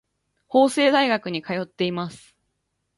法政大学に通っています。